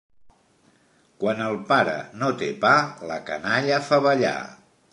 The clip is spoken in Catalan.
Quan el pare no té pa la canalla fa ballar.